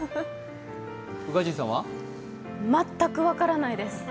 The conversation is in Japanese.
全く分からないです。